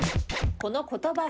この言葉は？